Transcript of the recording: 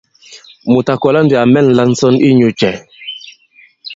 Mùt à kɔ̀la ndī à mɛ̂nla ǹsɔn inyū cɛ ?